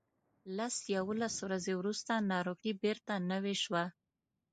لس یوولس ورځې وروسته ناروغي بیرته نوې شوه.